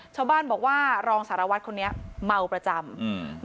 ชาวบ้านบอกว่ารองสารวัตรคนนี้เมาประจำอืม